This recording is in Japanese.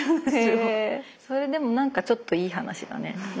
それでもなんかちょっといい話だね。